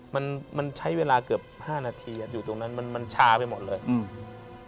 มันมันใช้เวลาเกือบห้านาทีอ่ะอยู่ตรงนั้นมันมันชาไปหมดเลยอืม